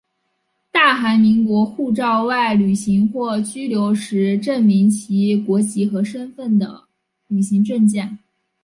大韩民国护照外旅行或居留时证明其国籍和身份的旅行证件。